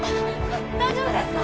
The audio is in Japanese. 大丈夫ですか！？